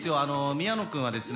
宮野君はですね